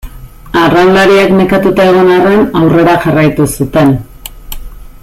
Arraunlariak nekatuta egon arren aurrera jarraitu zuten.